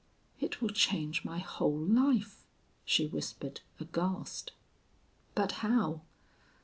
"It will change my whole life," she whispered, aghast. But how?